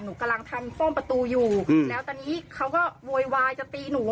หนูกำลังทำซ่อมประตูอยู่แล้วตอนนี้เขาก็โวยวายจะตีหนู